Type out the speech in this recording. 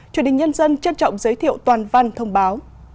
chủ đình nhân dân trân trọng giới thiệu toàn văn thông báo